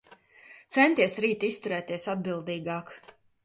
Centies rīt izturēties atbildīgāk.